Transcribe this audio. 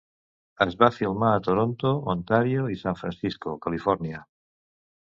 Es va filmar a Toronto, Ontario i San Francisco, Califòrnia.